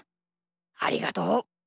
ありがとう。